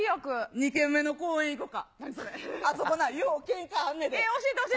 ２軒目の公園行こうか？